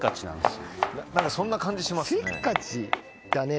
何かそんな感じしますね。